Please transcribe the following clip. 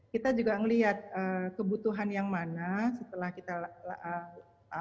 kita juga melihat kebutuhan yang mana setelah kita lakukan